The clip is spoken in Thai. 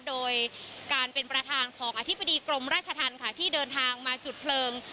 โดยการเป็นประธานของอธิบดีกรมราชธรรมค่ะที่เดินทางมาจุดเพลิง